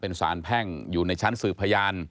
เป็นสารแพ่งอยู่ในชั้นสืบพยาน